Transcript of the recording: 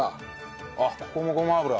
あっここもごま油。